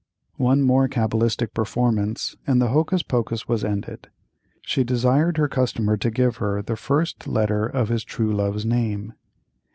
One more cabalistic performance and the hocus pocus was ended. She desired her customer to give her the first letter of his true love's name.